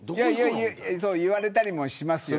言われたりもしますよ